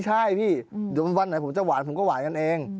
ใช่พี่เดี๋ยววันไหนผมจะหวานผมก็หวานกันเอง